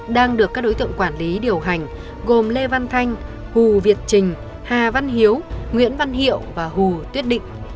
đang được các đối tượng quản lý điều hành gồm lê văn thanh hù việt trình hà văn hiếu nguyễn văn hiệu và hồ tuyết định